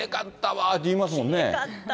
いや、きれかったわって言いますもんね。